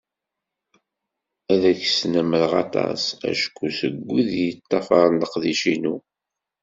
Ad ak-snemreɣ aṭas, acku seg wid yeṭṭafaren leqdic-inu.